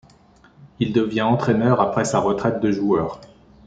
Il devient entraîneur après sa retraite de joueur.